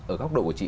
ở góc độ của chị